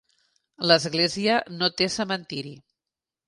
L'església no té cementiri.